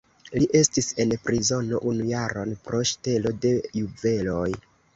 Li estis en prizono unu jaron pro ŝtelo de juveloj.